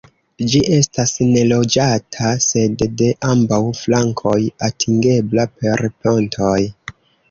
Ĝi estas neloĝata, sed de ambaŭ flankoj atingebla per pontoj.